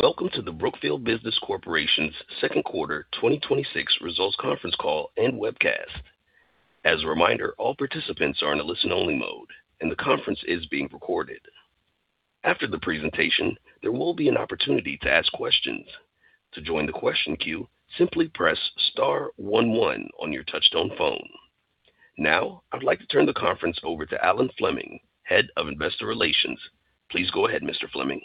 Welcome to the Brookfield Business Corporation's second quarter 2026 results conference call and webcast. As a reminder, all participants are in a listen-only mode, and the conference is being recorded. After the presentation, there will be an opportunity to ask questions. To join the question queue, simply press star one one on your touchtone phone. Now, I'd like to turn the conference over to Alan Fleming, Head of Investor Relations. Please go ahead, Mr. Fleming.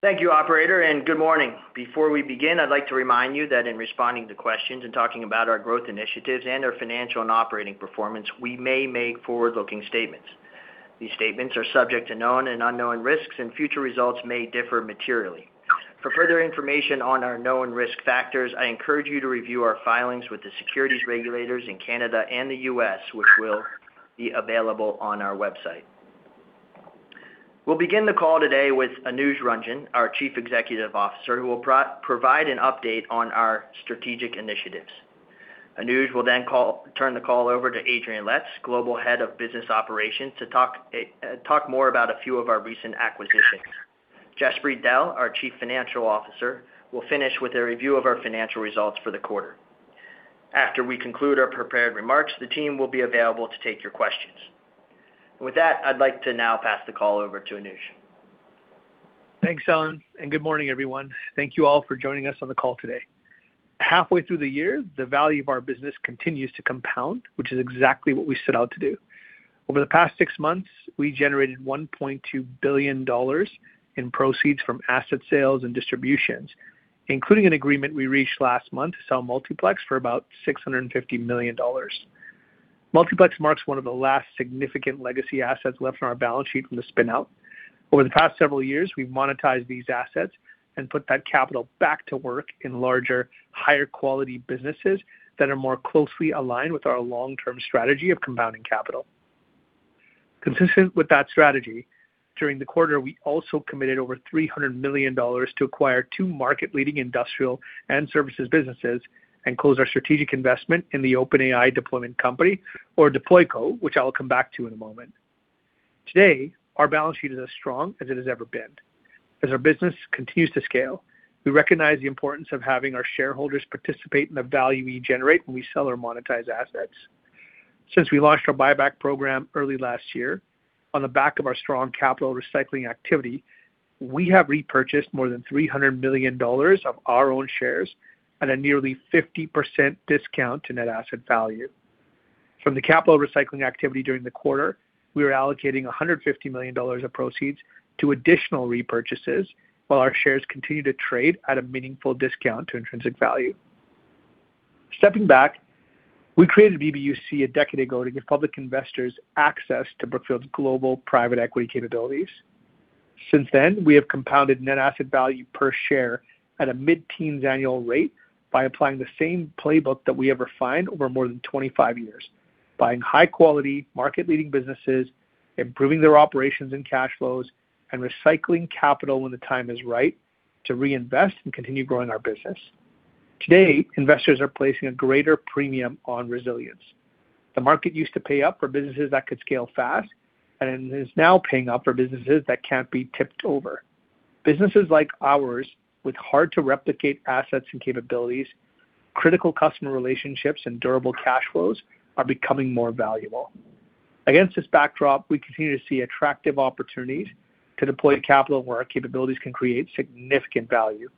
Thank you, operator. Good morning. Before we begin, I'd like to remind you that in responding to questions and talking about our growth initiatives and our financial and operating performance, we may make forward-looking statements. These statements are subject to known and unknown risks. Future results may differ materially. For further information on our known risk factors, I encourage you to review our filings with the securities regulators in Canada and the U.S., which will be available on our website. We'll begin the call today with Anuj Ranjan, our Chief Executive Officer, who will provide an update on our strategic initiatives. Anuj will then turn the call over to Adrian Letts, Global Head of Business Operations, to talk more about a few of our recent acquisitions. Jaspreet Dehl, our Chief Financial Officer, will finish with a review of our financial results for the quarter. After we conclude our prepared remarks, the team will be available to take your questions. With that, I'd like to now pass the call over to Anuj. Thanks, Alan. Good morning, everyone. Thank you all for joining us on the call today. Halfway through the year, the value of our business continues to compound, which is exactly what we set out to do. Over the past six months, we generated $1.2 billion in proceeds from asset sales and distributions, including an agreement we reached last month to sell Multiplex for about $650 million. Multiplex marks one of the last significant legacy assets left on our balance sheet from the spin-out. Over the past several years, we've monetized these assets and put that capital back to work in larger, higher quality businesses that are more closely aligned with our long-term strategy of compounding capital. Consistent with that strategy, during the quarter, we also committed over $300 million to acquire two market-leading industrial and services businesses and close our strategic investment in the OpenAI deployment company, or DeployCo, which I'll come back to in a moment. Today, our balance sheet is as strong as it has ever been. As our business continues to scale, we recognize the importance of having our shareholders participate in the value we generate when we sell or monetize assets. Since we launched our buyback program early last year, on the back of our strong capital recycling activity, we have repurchased more than $300 million of our own shares at a nearly 50% discount to net asset value. From the capital recycling activity during the quarter, we are allocating $150 million of proceeds to additional repurchases while our shares continue to trade at a meaningful discount to intrinsic value. Stepping back, we created BBUC a decade ago to give public investors access to Brookfield's global private equity capabilities. Since then, we have compounded net asset value per share at a mid-teens annual rate by applying the same playbook that we have refined over more than 25 years, buying high-quality, market-leading businesses, improving their operations and cash flows, and recycling capital when the time is right to reinvest and continue growing our business. Today, investors are placing a greater premium on resilience. The market used to pay up for businesses that could scale fast and is now paying up for businesses that can't be tipped over. Businesses like ours with hard-to-replicate assets and capabilities, critical customer relationships, and durable cash flows are becoming more valuable. Against this backdrop, we continue to see attractive opportunities to deploy capital where our capabilities can create significant value.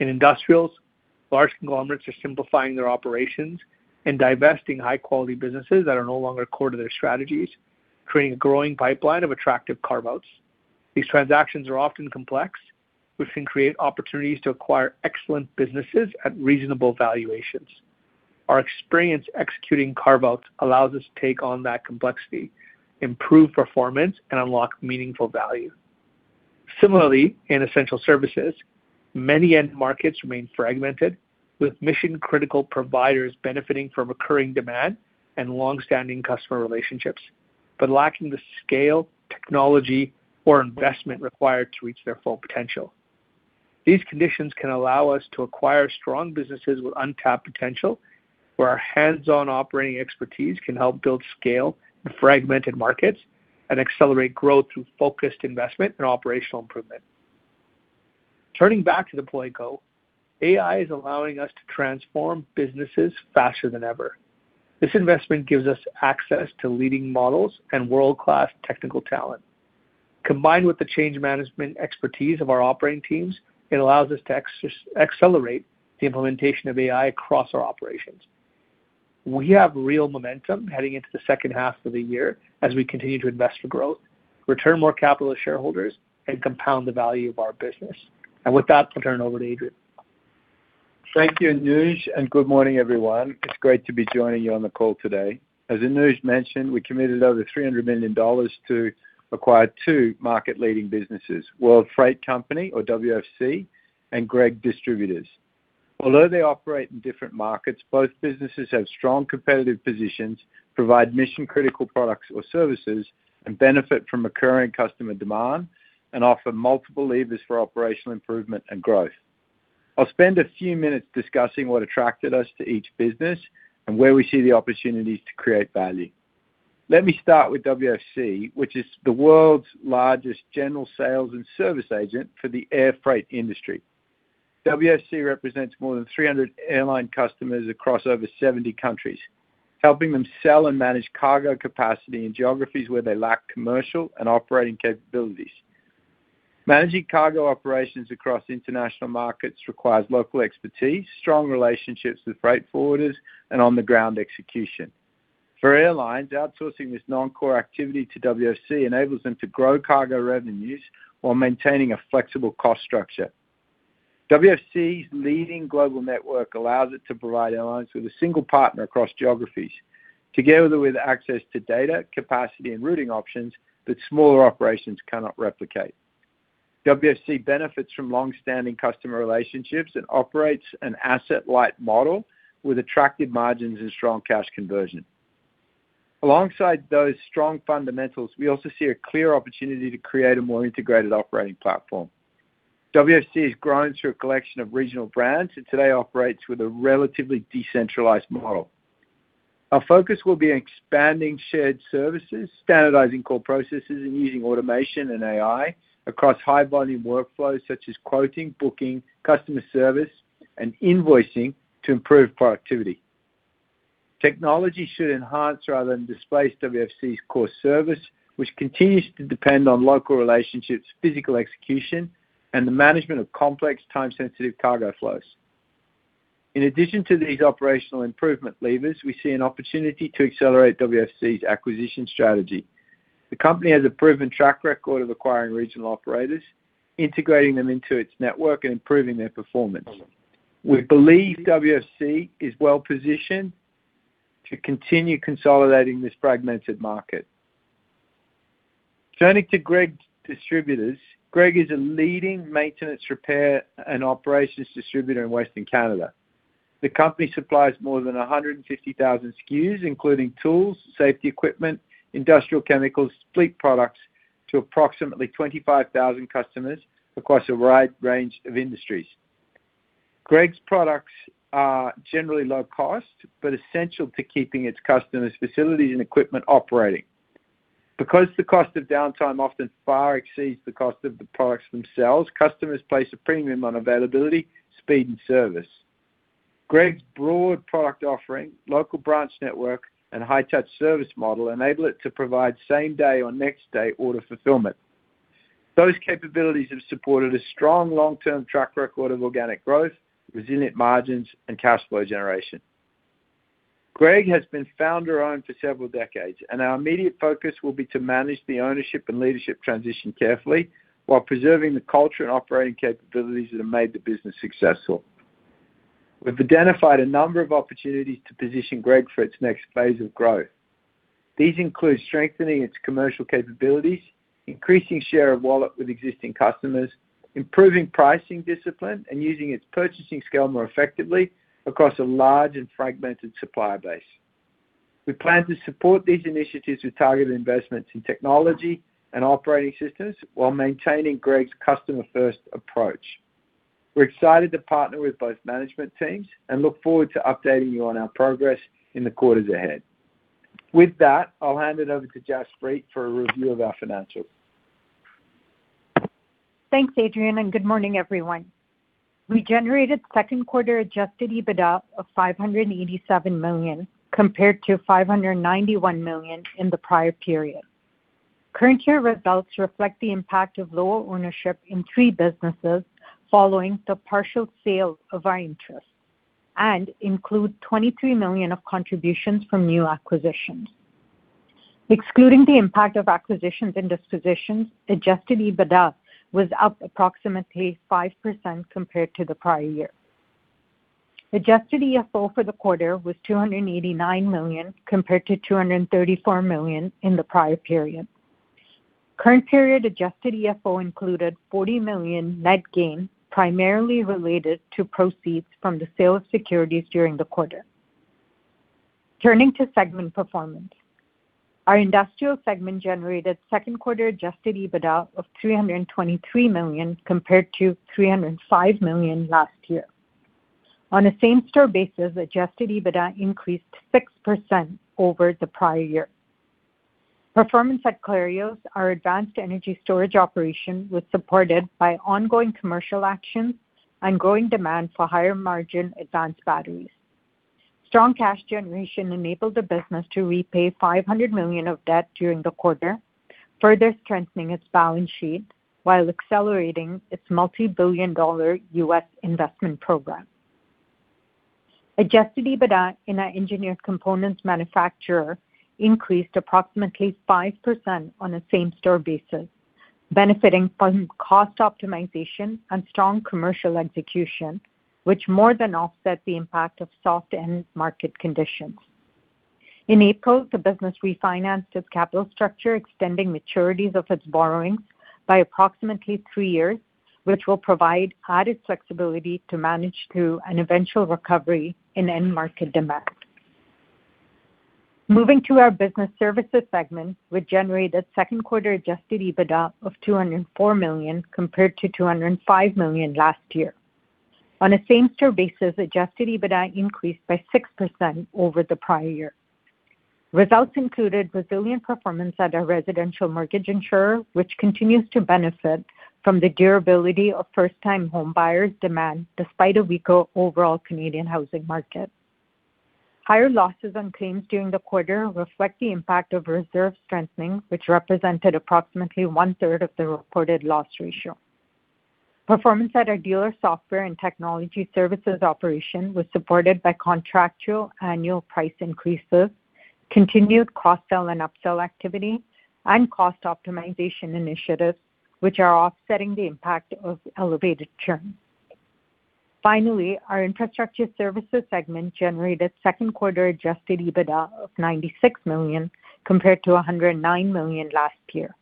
In industrials, large conglomerates are simplifying their operations and divesting high-quality businesses that are no longer core to their strategies, creating a growing pipeline of attractive carve-outs. These transactions are often complex, which can create opportunities to acquire excellent businesses at reasonable valuations. Our experience executing carve-outs allows us to take on that complexity, improve performance, and unlock meaningful value. Similarly, in essential services, many end markets remain fragmented, with mission-critical providers benefiting from recurring demand and long-standing customer relationships, but lacking the scale, technology, or investment required to reach their full potential. These conditions can allow us to acquire strong businesses with untapped potential, where our hands-on operating expertise can help build scale in fragmented markets and accelerate growth through focused investment and operational improvement. Turning back to DeployCo, AI is allowing us to transform businesses faster than ever. This investment gives us access to leading models and world-class technical talent. Combined with the change management expertise of our operating teams, it allows us to accelerate the implementation of AI across our operations. We have real momentum heading into the second half of the year as we continue to invest for growth, return more capital to shareholders, and compound the value of our business. With that, I'll turn it over to Adrian. Thank you, Anuj, and good morning, everyone. It is great to be joining you on the call today. As Anuj mentioned, we committed over $300 million to acquire two market-leading businesses, World Freight Company, or WFC, and Gregg Distributors. Although they operate in different markets, both businesses have strong competitive positions, provide mission-critical products or services, benefit from recurring customer demand, and offer multiple levers for operational improvement and growth. I will spend a few minutes discussing what attracted us to each business and where we see the opportunities to create value. Let me start with WFC, which is the world's largest general sales and service agent for the air freight industry. WFC represents more than 300 airline customers across over 70 countries, helping them sell and manage cargo capacity in geographies where they lack commercial and operating capabilities. Managing cargo operations across international markets requires local expertise, strong relationships with freight forwarders, and on-the-ground execution. For airlines, outsourcing this non-core activity to WFC enables them to grow cargo revenues while maintaining a flexible cost structure. WFC's leading global network allows it to provide airlines with a single partner across geographies, together with access to data, capacity, and routing options that smaller operations cannot replicate. WFC benefits from longstanding customer relationships and operates an asset-light model with attractive margins and strong cash conversion. Alongside those strong fundamentals, we also see a clear opportunity to create a more integrated operating platform. WFC has grown through a collection of regional brands, and today operates with a relatively decentralized model. Our focus will be on expanding shared services, standardizing core processes, and using automation and AI across high-volume workflows such as quoting, booking, customer service, and invoicing to improve productivity. Technology should enhance rather than displace WFC's core service, which continues to depend on local relationships, physical execution, and the management of complex, time-sensitive cargo flows. In addition to these operational improvement levers, we see an opportunity to accelerate WFC's acquisition strategy. The company has a proven track record of acquiring regional operators, integrating them into its network, and improving their performance. We believe WFC is well-positioned to continue consolidating this fragmented market. Turning to Gregg Distributors. Gregg is a leading maintenance repair and operations distributor in Western Canada. The company supplies more than 150,000 SKUs, including tools, safety equipment, industrial chemicals, fleet products to approximately 25,000 customers across a wide range of industries. Gregg's products are generally low cost but essential to keeping its customers' facilities and equipment operating. Because the cost of downtime often far exceeds the cost of the products themselves, customers place a premium on availability, speed, and service. Gregg's broad product offering, local branch network, and high-touch service model enable it to provide same-day or next-day order fulfillment. Those capabilities have supported a strong long-term track record of organic growth, resilient margins, and cash flow generation. Gregg has been founder-owned for several decades, and our immediate focus will be to manage the ownership and leadership transition carefully while preserving the culture and operating capabilities that have made the business successful. We've identified a number of opportunities to position Gregg for its next phase of growth. These include strengthening its commercial capabilities, increasing share of wallet with existing customers, improving pricing discipline, and using its purchasing scale more effectively across a large and fragmented supplier base. We plan to support these initiatives with targeted investments in technology and operating systems while maintaining Gregg's customer-first approach. We're excited to partner with both management teams and look forward to updating you on our progress in the quarters ahead. With that, I'll hand it over to Jaspreet for a review of our financials. Thanks, Adrian, good morning, everyone. We generated second quarter adjusted EBITDA of $587 million, compared to $591 million in the prior period. Current year results reflect the impact of lower ownership in three businesses following the partial sale of our interest and include $23 million of contributions from new acquisitions. Excluding the impact of acquisitions and dispositions, adjusted EBITDA was up approximately 5% compared to the prior year. Adjusted FFO for the quarter was $289 million, compared to $234 million in the prior period. Current period adjusted FFO included $40 million net gain, primarily related to proceeds from the sale of securities during the quarter. Turning to segment performance. Our industrial segment generated second quarter adjusted EBITDA of $323 million compared to $305 million last year. On a same-store basis, adjusted EBITDA increased 6% over the prior year. Performance at Clarios, our advanced energy storage operation, was supported by ongoing commercial actions and growing demand for higher-margin advanced batteries. Strong cash generation enabled the business to repay $500 million of debt during the quarter, further strengthening its balance sheet while accelerating its multi-billion dollar U.S. investment program. Adjusted EBITDA in our engineered components manufacturer increased approximately 5% on a same-store basis, benefiting from cost optimization and strong commercial execution, which more than offset the impact of soft end market conditions. In April, the business refinanced its capital structure, extending maturities of its borrowings by approximately three years, which will provide added flexibility to manage through an eventual recovery in end market demand. Moving to our business services segment, which generated second quarter adjusted EBITDA of $204 million compared to $205 million last year. On a same-store basis, adjusted EBITDA increased by 6% over the prior year. Results included resilient performance at our residential mortgage insurer, which continues to benefit from the durability of first-time home buyers' demand despite a weaker overall Canadian housing market. Higher losses on claims during the quarter reflect the impact of reserve strengthening, which represented approximately one-third of the reported loss ratio. Performance at our dealer software and technology services operation was supported by contractual annual price increases, continued cross-sell and up-sell activity, and cost optimization initiatives, which are offsetting the impact of elevated churn. Our infrastructure services segment generated second quarter adjusted EBITDA of $96 million, compared to $109 million last year.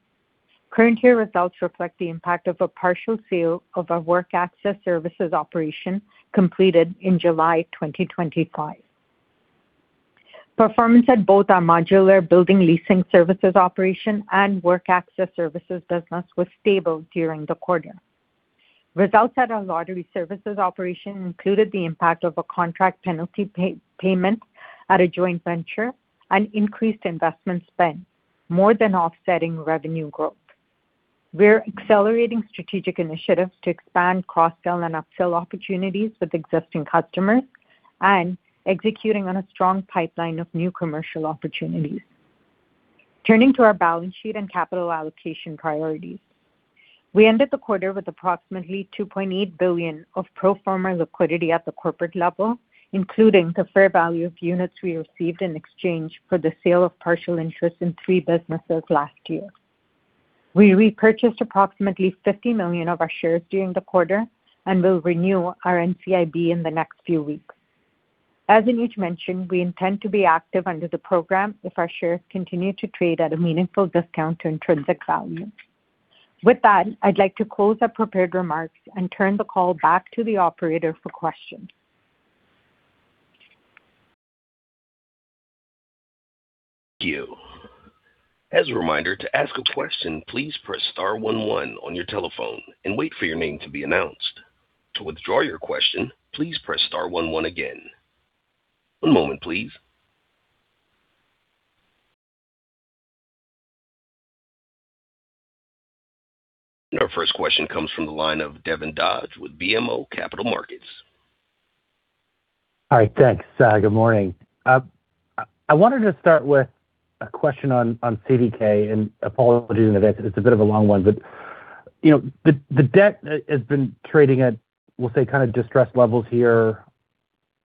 Current year results reflect the impact of a partial sale of our work access services operation completed in July 2025. Performance at both our modular building leasing services operation and work access services business was stable during the quarter. Results at our lottery services operation included the impact of a contract penalty payment at a joint venture and increased investment spend, more than offsetting revenue growth. We're accelerating strategic initiatives to expand cross-sell and up-sell opportunities with existing customers and executing on a strong pipeline of new commercial opportunities. Turning to our balance sheet and capital allocation priorities. We ended the quarter with approximately $2.8 billion of pro forma liquidity at the corporate level, including the fair value of units we received in exchange for the sale of partial interest in three businesses last year. We repurchased approximately $50 million of our shares during the quarter and will renew our NCIB in the next few weeks. As Anuj mentioned, we intend to be active under the program if our shares continue to trade at a meaningful discount to intrinsic value. With that, I'd like to close our prepared remarks and turn the call back to the operator for questions. Thank you. As a reminder, to ask a question, please press star one one on your telephone and wait for your name to be announced. To withdraw your question, please press star one one again. One moment, please. Our first question comes from the line of Devin Dodge with BMO Capital Markets. Thanks. Good morning. I wanted to start with a question on CDK. Apologies in advance, it's a bit of a long one, but the debt has been trading at, we'll say, kind of distressed levels here.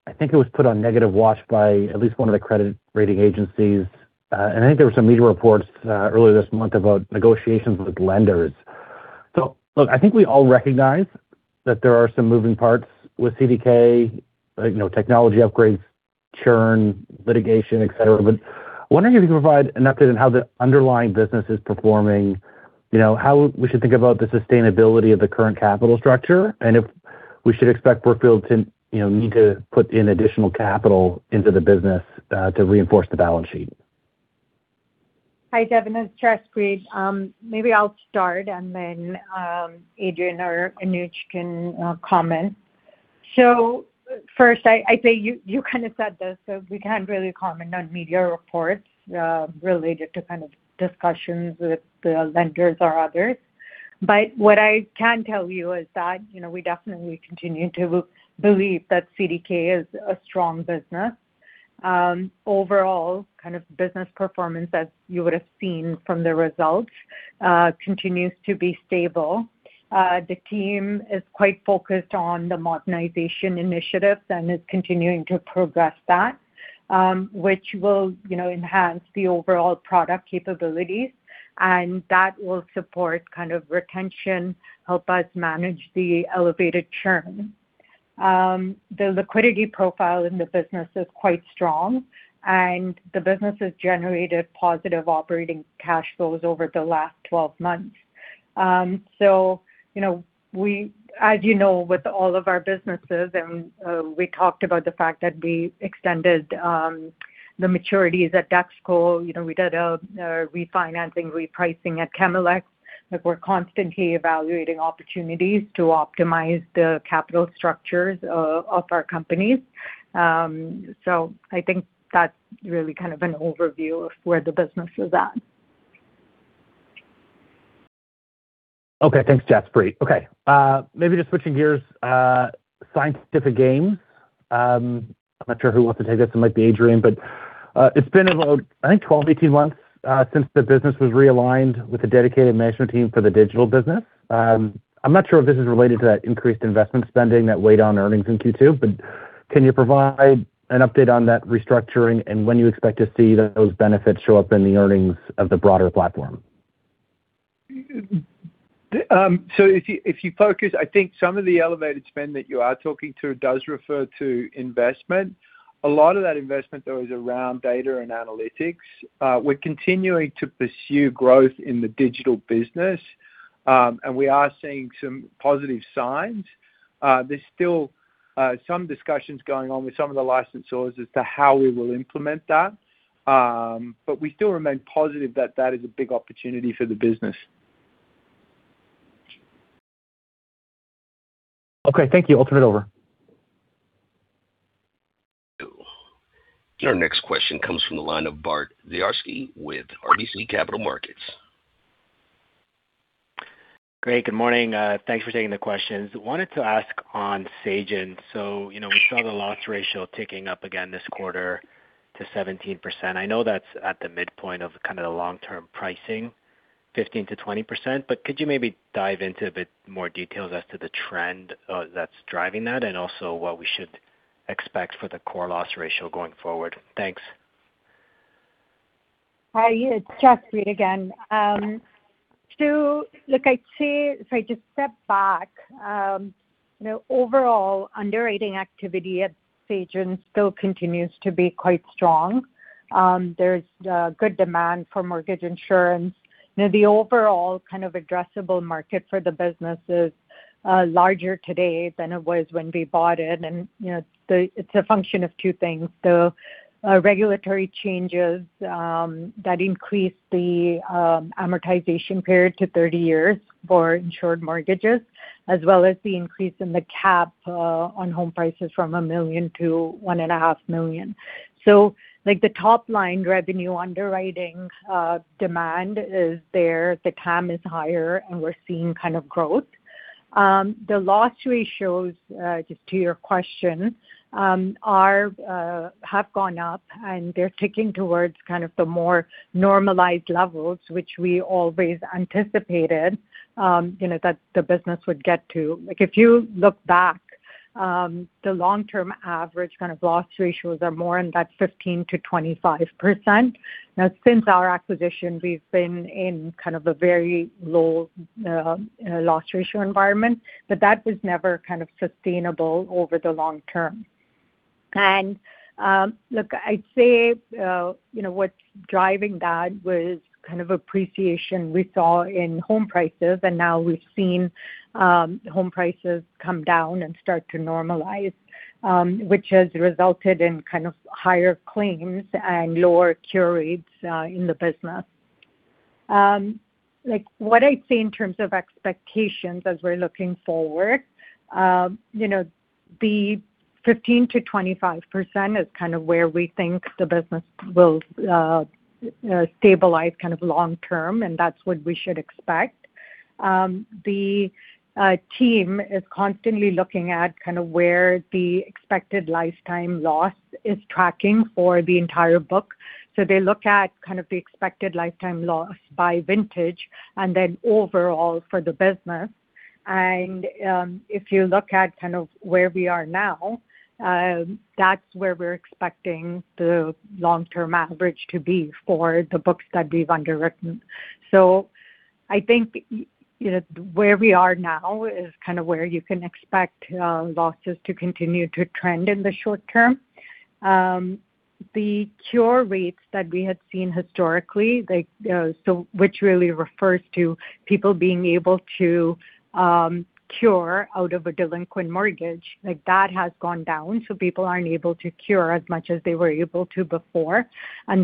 I think it was put on negative watch by at least one of the credit rating agencies. I think there were some media reports earlier this month about negotiations with lenders. I think we all recognize that there are some moving parts with CDK, technology upgrades, churn, litigation, et cetera. Wondering if you can provide an update on how the underlying business is performing, how we should think about the sustainability of the current capital structure, and if we should expect Brookfield to need to put in additional capital into the business to reinforce the balance sheet. Hi, Devin. It's Jaspreet. Maybe I'll start, and then Adrian or Anuj can comment. First, I say you kind of said this, so we can't really comment on media reports related to kind of discussions with the lenders or others. What I can tell you is that we definitely continue to believe that CDK is a strong business. Overall, kind of business performance, as you would have seen from the results, continues to be stable. The team is quite focused on the modernization initiatives and is continuing to progress that, which will enhance the overall product capabilities, and that will support kind of retention, help us manage the elevated churn. The liquidity profile in the business is quite strong, and the business has generated positive operating cash flows over the last 12 months. As you know, with all of our businesses, and we talked about the fact that we extended the maturities at DexKo, we did a refinancing repricing at Chemelex. We're constantly evaluating opportunities to optimize the capital structures of our companies. I think that's really kind of an overview of where the business is at. Thanks, Jaspreet. Maybe just switching gears, Scientific Games. I'm not sure who wants to take this. It might be Adrian, but it's been about, I think, 12, 18 months since the business was realigned with a dedicated management team for the digital business. I'm not sure if this is related to that increased investment spending that weighed on earnings in Q2, but can you provide an update on that restructuring and when you expect to see those benefits show up in the earnings of the broader platform? If you focus, I think some of the elevated spend that you are talking to does refer to investment. A lot of that investment, though, is around data and analytics. We're continuing to pursue growth in the digital business, and we are seeing some positive signs. There's still some discussions going on with some of the licensors as to how we will implement that, but we still remain positive that that is a big opportunity for the business. Okay. Thank you. I'll turn it over. Our next question comes from the line of Bart Dziarski with RBC Capital Markets. Great. Good morning. Thanks for taking the questions. Wanted to ask on Sagen. We saw the loss ratio ticking up again this quarter to 17%. I know that's at the midpoint of kind of the long-term pricing, 15%-20%, but could you maybe dive into a bit more details as to the trend that's driving that, and also what we should expect for the core loss ratio going forward? Thanks. Hi, it's Jaspreet again. Look, I'd say if I just step back, overall, underwriting activity at Sagen still continues to be quite strong. There's good demand for mortgage insurance. The overall kind of addressable market for the business is larger today than it was when we bought it, and it's a function of two things. Regulatory changes that increased the amortization period to 30 years for insured mortgages, as well as the increase in the cap on home prices from $1 million-$1.5 million. Like the top-line revenue underwriting demand is there. The TAM is higher, and we're seeing kind of growth. The loss ratios, just to your question, have gone up, and they're ticking towards kind of the more normalized levels, which we always anticipated that the business would get to. Like if you look back, the long-term average kind of loss ratios are more in that 15%-25%. Since our acquisition, we've been in kind of a very low loss ratio environment, but that was never kind of sustainable over the long term. Look, I'd say what's driving that was kind of appreciation we saw in home prices, and now we've seen home prices come down and start to normalize, which has resulted in kind of higher claims and lower cure rates in the business. What I'd say in terms of expectations as we're looking forward, the 15%-25% is kind of where we think the business will stabilize kind of long term, and that's what we should expect. The team is constantly looking at kind of where the expected lifetime loss is tracking for the entire book. They look at kind of the expected lifetime loss by vintage and then overall for the business. If you look at kind of where we are now, that's where we're expecting the long-term average to be for the books that we've underwritten. I think where we are now is kind of where you can expect losses to continue to trend in the short term. The cure rates that we had seen historically, which really refers to people being able to cure out of a delinquent mortgage, like that has gone down, so people aren't able to cure as much as they were able to before.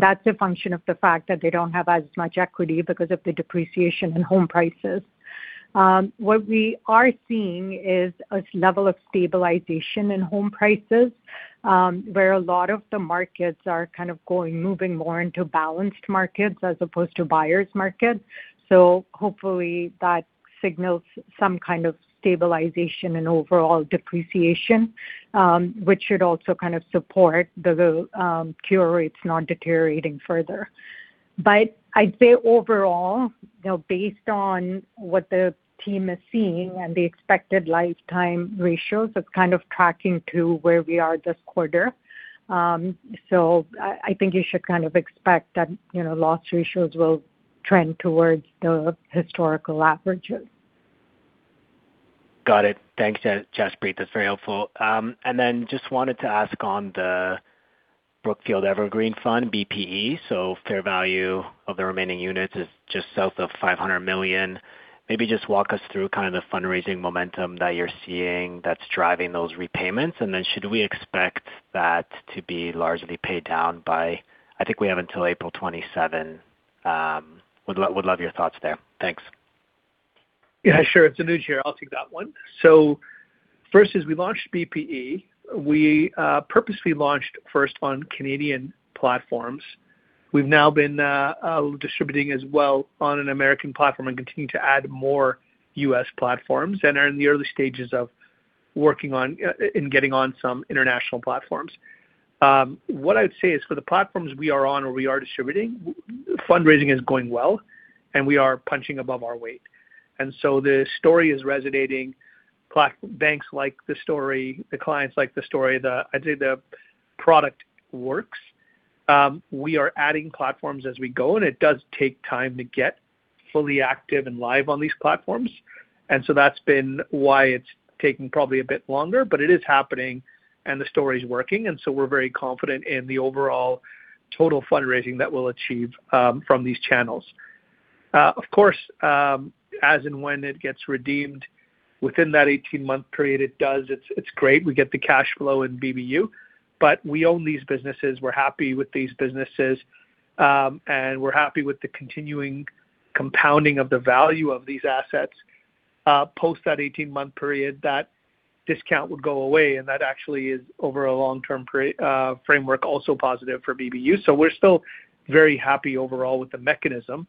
That's a function of the fact that they don't have as much equity because of the depreciation in home prices. What we are seeing is a level of stabilization in home prices, where a lot of the markets are kind of moving more into balanced markets as opposed to buyers markets. Hopefully that signals some kind of stabilization and overall depreciation, which should also kind of support the cure rates not deteriorating further. I'd say overall, based on what the team is seeing and the expected lifetime ratios, it's kind of tracking to where we are this quarter. I think you should kind of expect that loss ratios will trend towards the historical averages. Got it. Thanks, Jaspreet. That's very helpful. Then just wanted to ask on the Brookfield Evergreen Fund, BPE. Fair value of the remaining units is just south of $500 million. Maybe just walk us through kind of the fundraising momentum that you're seeing that's driving those repayments. Then should we expect that to be largely paid down by, I think we have until April 27. Would love your thoughts there. Thanks. Yeah, sure. It's Anuj here. I'll take that one. First is we launched BPE. We purposely launched first on Canadian platforms. We've now been distributing as well on an American platform and continue to add more U.S. platforms and are in the early stages of working on and getting on some international platforms. What I would say is for the platforms we are on or we are distributing, fundraising is going well, and we are punching above our weight. The story is resonating. Banks like the story. The clients like the story. I'd say the product works. We are adding platforms as we go, and it does take time to get fully active and live on these platforms. That's been why it's taking probably a bit longer, but it is happening, and the story's working, we're very confident in the overall total fundraising that we'll achieve from these channels. Of course, as and when it gets redeemed Within that 18-month period, it does, it's great. We get the cash flow in BBU, but we own these businesses. We're happy with these businesses, and we're happy with the continuing compounding of the value of these assets. Post that 18-month period, that discount would go away, and that actually is, over a long-term framework, also positive for BBU. We're still very happy overall with the mechanism,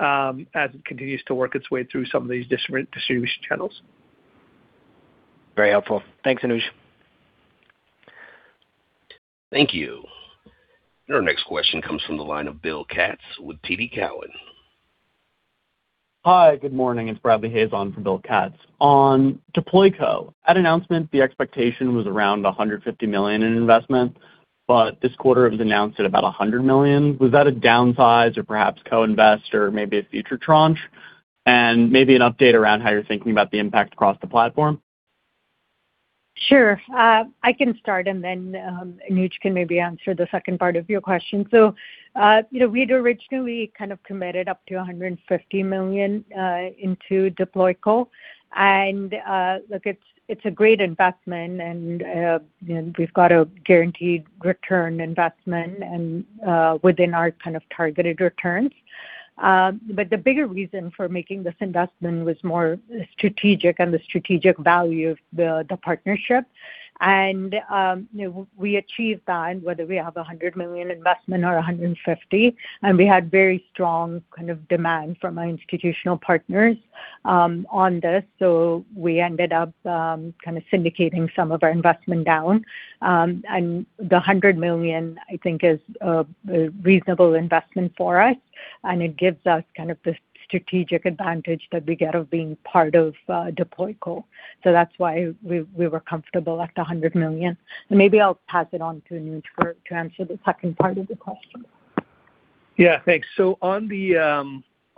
as it continues to work its way through some of these distribution channels. Very helpful. Thanks, Anuj. Thank you. Our next question comes from the line of Bill Katz with TD Cowen. Hi, good morning. It's Bradley Hayes on for Bill Katz. On DeployCo, at announcement, the expectation was around $150 million in investment. This quarter it was announced at about $100 million. Was that a downsize or perhaps co-invest or maybe a future tranche? Maybe an update around how you're thinking about the impact across the platform. Sure. I can start, Anuj can maybe answer the second part of your question. We'd originally kind of committed up to $150 million into DeployCo, look, it's a great investment and we've got a guaranteed return investment and within our kind of targeted returns. The bigger reason for making this investment was more strategic and the strategic value of the partnership. We achieved that, and whether we have $100 million investment or $150, and we had very strong kind of demand from our institutional partners on this. We ended up kind of syndicating some of our investment down. The $100 million, I think is a reasonable investment for us. It gives us kind of the strategic advantage that we get of being part of DeployCo. That's why we were comfortable at $100 million. Maybe I'll pass it on to Anuj to answer the second part of the question. Yeah, thanks.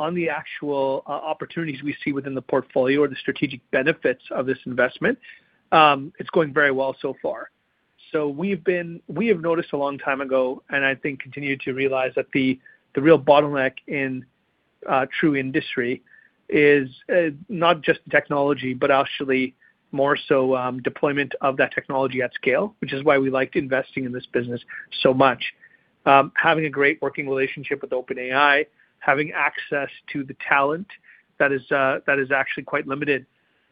On the actual opportunities we see within the portfolio or the strategic benefits of this investment, it's going very well so far. We have noticed a long time ago, and I think continue to realize, that the real bottleneck in true industry is not just technology, but actually more so deployment of that technology at scale, which is why we liked investing in this business so much. Having a great working relationship with OpenAI, having access to the talent that is actually quite limited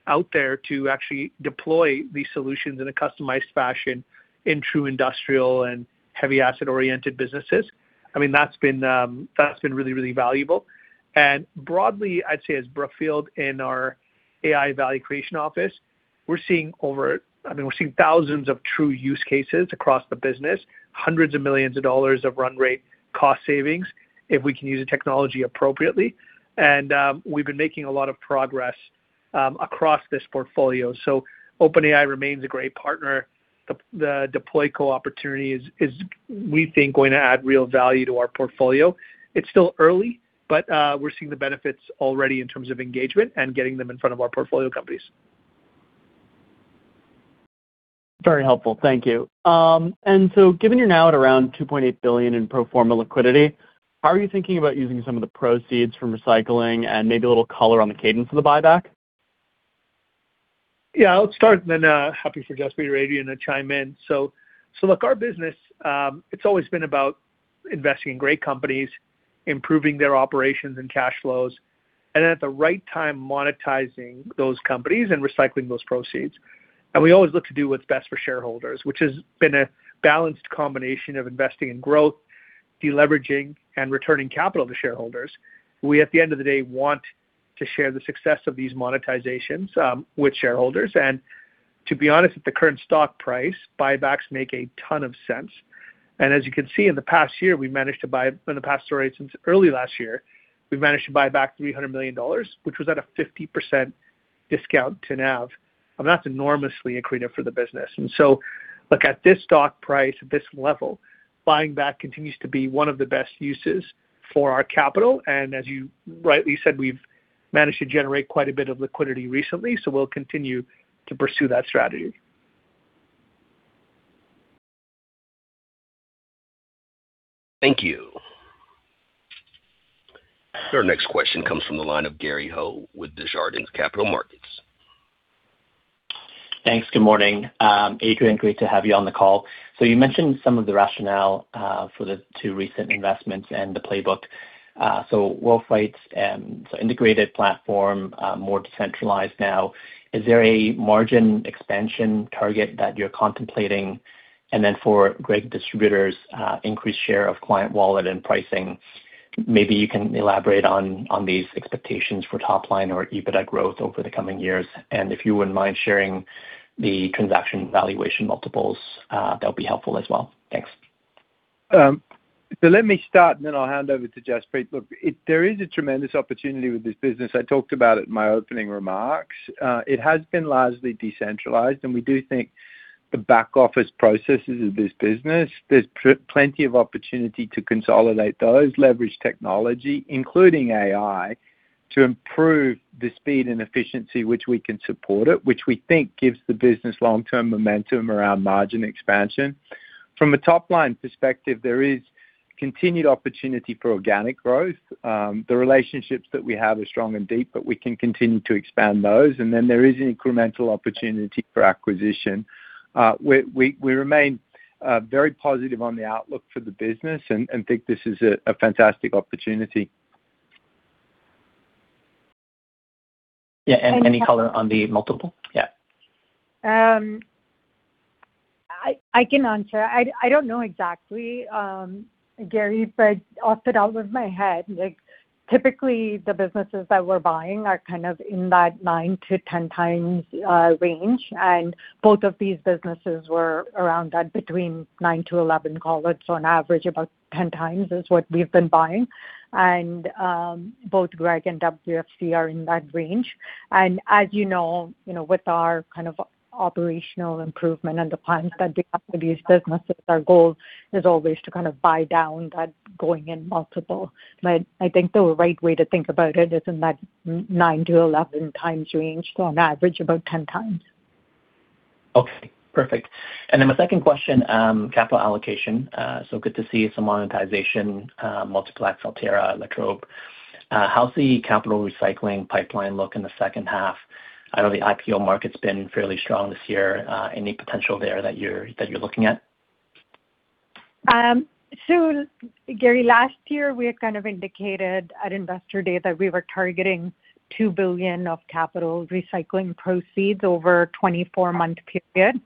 out there to actually deploy these solutions in a customized fashion in true industrial and heavy asset-oriented businesses. I mean, that's been really, really valuable. Broadly, I'd say as Brookfield in our AI value creation office, we're seeing thousands of true use cases across the business, hundreds of millions of dollars of run rate cost savings if we can use the technology appropriately. We've been making a lot of progress across this portfolio. OpenAI remains a great partner. The DeployCo opportunity is, we think, going to add real value to our portfolio. It's still early, but we're seeing the benefits already in terms of engagement and getting them in front of our portfolio companies. Very helpful. Thank you. Given you're now at around $2.8 billion in pro forma liquidity, how are you thinking about using some of the proceeds from recycling and maybe a little color on the cadence of the buyback? Yeah, I'll start and then happy for Jaspreet or Adrian to chime in. Look, our business, it's always been about investing in great companies, improving their operations and cash flows, then at the right time, monetizing those companies and recycling those proceeds. We always look to do what's best for shareholders, which has been a balanced combination of investing in growth, de-leveraging, and returning capital to shareholders. We, at the end of the day, want to share the success of these monetizations with shareholders. To be honest, at the current stock price, buybacks make a ton of sense. As you can see, since early last year, we've managed to buy back $300 million, which was at a 50% discount to NAV. That's enormously accretive for the business. Look, at this stock price, at this level, buying back continues to be one of the best uses for our capital. As you rightly said, we've managed to generate quite a bit of liquidity recently, so we'll continue to pursue that strategy. Thank you. Our next question comes from the line of Gary Ho with Desjardins Capital Markets. Thanks. Good morning. Adrian, great to have you on the call. You mentioned some of the rationale for the two recent investments and the playbook. World Freight, integrated platform, more decentralized now. Is there a margin expansion target that you're contemplating? For Gregg Distributors, increased share of client wallet and pricing. Maybe you can elaborate on these expectations for top line or EBITDA growth over the coming years. If you wouldn't mind sharing the transaction valuation multiples, that'll be helpful as well. Thanks. Let me start, then I'll hand over to Jaspreet. Look, there is a tremendous opportunity with this business. I talked about it in my opening remarks. It has been largely decentralized, we do think the back office processes of this business, there's plenty of opportunity to consolidate those, leverage technology, including AI, to improve the speed and efficiency which we can support it, which we think gives the business long-term momentum around margin expansion. From a top-line perspective, there is continued opportunity for organic growth. The relationships that we have are strong and deep, we can continue to expand those. There is an incremental opportunity for acquisition. We remain very positive on the outlook for the business and think this is a fantastic opportunity. Yeah. Any color on the multiple? I can answer. I don't know exactly, Gary, off the top of my head, typically the businesses that we're buying are in that 9-10x range. Both of these businesses were around that, between 9-11x call it, so on average about 10x is what we've been buying. Both Gregg and WFC are in that range. As you know, with our operational improvement and the plans that we have for these businesses, our goal is always to buy down that going in multiple. I think the right way to think about it is in that 9-11x range, so on average about 10x. Okay. Perfect. My second question, capital allocation. Good to see some monetization, Multiplex, Altera, Electro. How does the capital recycling pipeline look in the second half? I know the IPO market's been fairly strong this year. Any potential there that you're looking at? Gary, last year we had indicated at Investor Day that we were targeting $2 billion of capital recycling proceeds over a 24-month period.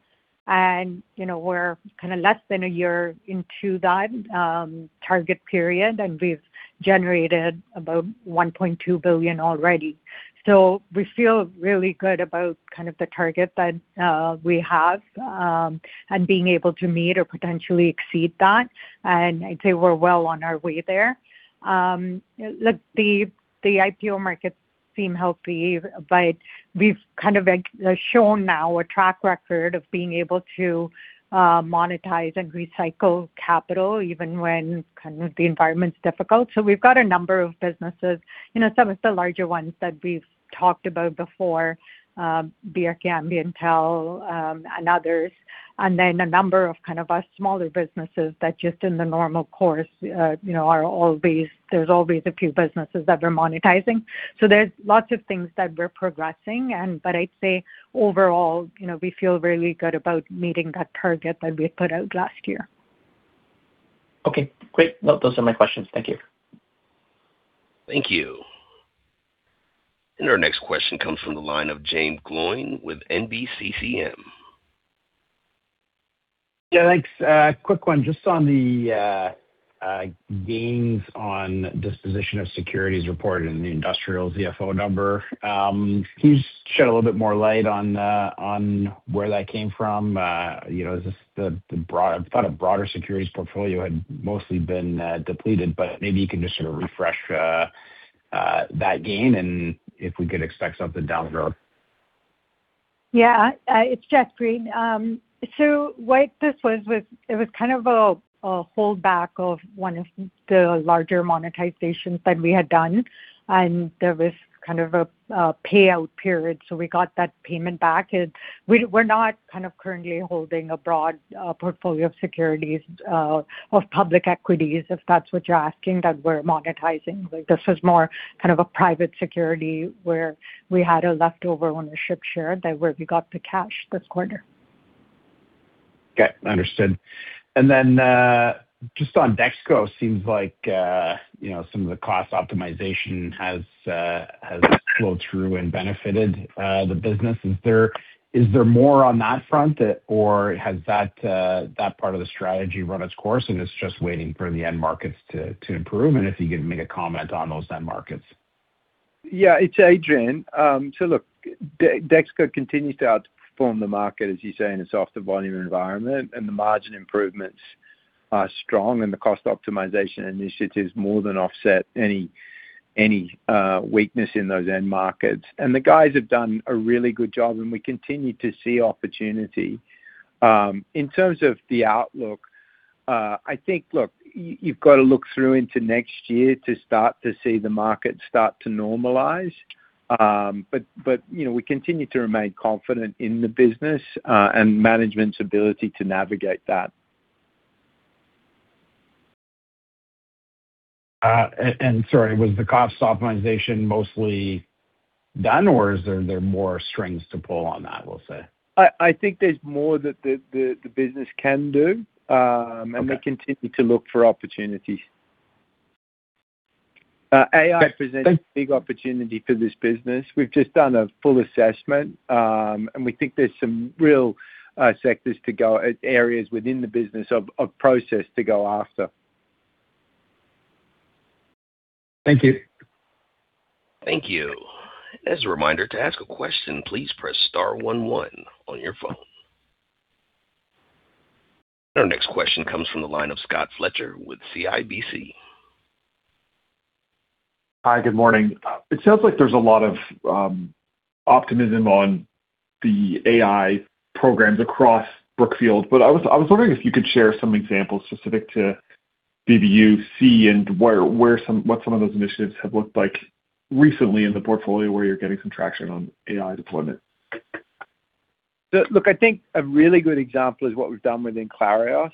We're less than a year into that target period, and we've generated about $1.2 billion already. We feel really good about the target that we have, and being able to meet or potentially exceed that. I'd say we're well on our way there. Look, the IPO markets seem healthy, we've shown now a track record of being able to monetize and recycle capital even when the environment's difficult. We've got a number of businesses. Some of the larger ones that we've talked about before, BRK Ambiental, and others. A number of our smaller businesses that just in the normal course there's always a few businesses that we're monetizing. There's lots of things that we're progressing. I'd say overall, we feel really good about meeting that target that we had put out last year. Okay, great. Those are my questions. Thank you. Thank you. Our next question comes from the line of Jaeme Gloyn with NBCCM. Thanks. A quick one just on the gains on disposition of securities reported in the industrial CFO number. Can you shed a little bit more light on where that came from? I thought a broader securities portfolio had mostly been depleted, but maybe you can just sort of refresh that gain and if we could expect something down the road. It's Jaspreet. What this was, it was kind of a holdback of one of the larger monetizations that we had done, and there was kind of a payout period. We got that payment back. We're not currently holding a broad portfolio of securities, of public equities, if that's what you're asking, that we're monetizing. This was more a private security where we had a leftover ownership share that we got the cash this quarter. Okay, understood. Then, just on DexKo, seems like some of the cost optimization has flowed through and benefited the business. Is there more on that front, or has that part of the strategy run its course and it's just waiting for the end markets to improve? If you can make a comment on those end markets. It's Adrian. Look, DexKo continues to outperform the market, as you say, in a softer volume environment, the margin improvements are strong and the cost optimization initiatives more than offset any weakness in those end markets. The guys have done a really good job, and we continue to see opportunity. In terms of the outlook, I think, look, you've got to look through into next year to start to see the market start to normalize. We continue to remain confident in the business, and management's ability to navigate that. Sorry, was the cost optimization mostly done or are there more strings to pull on that, we'll say? I think there's more that the business can do. Okay. We continue to look for opportunities. AI presents a big opportunity for this business. We've just done a full assessment, and we think there's some real sectors to go, areas within the business of process to go after. Thank you. Thank you. As a reminder, to ask a question, please press star one one on your phone. Our next question comes from the line of Scott Fletcher with CIBC. Hi, good morning. It sounds like there's a lot of optimism on the AI programs across Brookfield, but I was wondering if you could share some examples specific to BBUC and what some of those initiatives have looked like recently in the portfolio where you're getting some traction on AI deployment? Look, I think a really good example is what we've done within Clarios.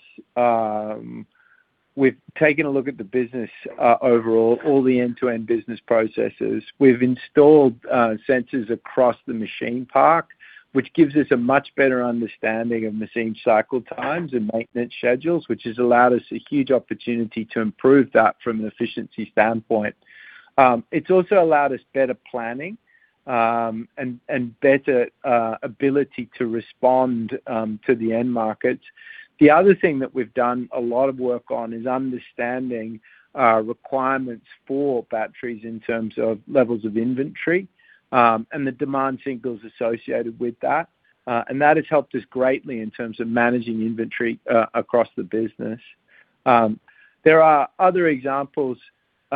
We've taken a look at the business overall, all the end-to-end business processes. We've installed sensors across the machine park, which gives us a much better understanding of machine cycle times and maintenance schedules, which has allowed us a huge opportunity to improve that from an efficiency standpoint. It's also allowed us better planning, and better ability to respond to the end markets. The other thing that we've done a lot of work on is understanding requirements for batteries in terms of levels of inventory, and the demand signals associated with that. That has helped us greatly in terms of managing inventory across the business. There are other examples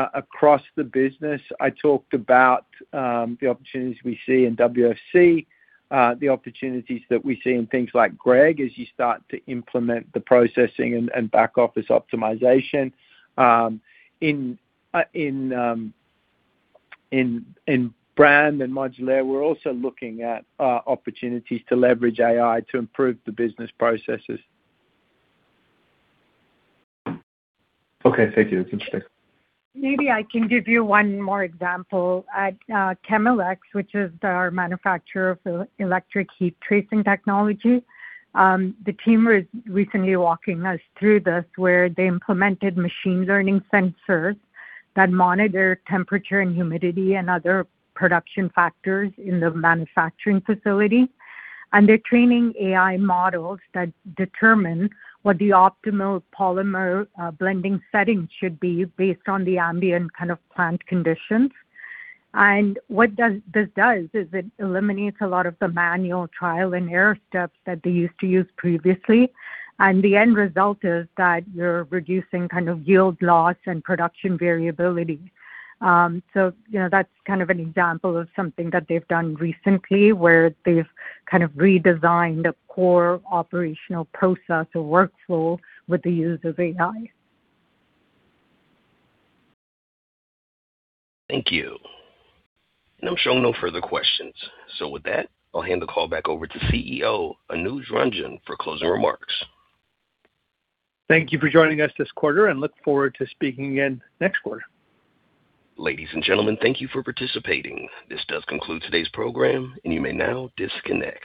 across the business. I talked about the opportunities we see in WFC, the opportunities that we see in things like Gregg as you start to implement the processing and back office optimization. In Brand and Modular, we're also looking at opportunities to leverage AI to improve the business processes. Okay, thank you. That's interesting. Maybe I can give you one more example. At Chemelex, which is our manufacturer of electric heat tracing technology. The team was recently walking us through this, where they implemented machine learning sensors that monitor temperature and humidity and other production factors in the manufacturing facility. They're training AI models that determine what the optimal polymer blending settings should be based on the ambient plant conditions. What this does is it eliminates a lot of the manual trial and error steps that they used to use previously, and the end result is that you're reducing yield loss and production variability. That's an example of something that they've done recently, where they've redesigned a core operational process or workflow with the use of AI. Thank you. I'm showing no further questions. With that, I'll hand the call back over to CEO, Anuj Ranjan, for closing remarks. Thank you for joining us this quarter, and look forward to speaking again next quarter. Ladies and gentlemen, thank you for participating. This does conclude today's program, and you may now disconnect.